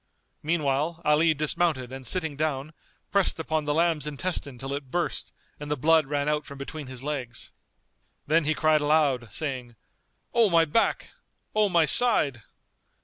Meanwhile Ali dismounted and sitting down, pressed upon the lamb's intestine till it burst and the blood ran out from between his legs. Then he cried aloud, saying, "O my back! O my side!"